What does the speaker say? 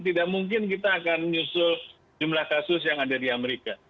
tidak mungkin kita akan menyusul jumlah kasus yang ada di amerika